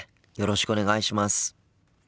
よろしくお願いします。